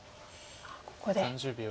ここで。